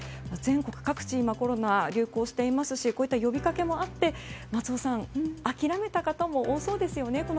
全国各地に今、コロナが流行していますしこういった呼びかけもあって松尾さん、諦めた方も多そうですよね。